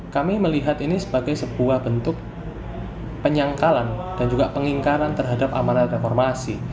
kami melihat ini sebagai sebuah bentuk penyangkalan dan juga pengingkaran terhadap amanat reformasi